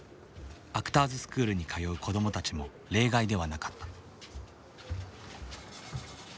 アクターズスクールに通う子どもたちも例外ではなかった。